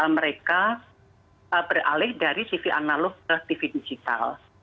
mereka beralih dari tv analog ke tv digital